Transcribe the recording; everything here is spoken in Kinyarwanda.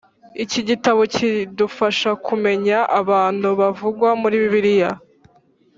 Iki gitabo kidufasha kumenya abantu bavugwa muri Bibiliya